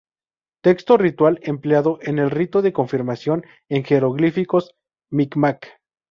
Texto ritual empleado en el Rito de Confirmación, en jeroglíficos micmac.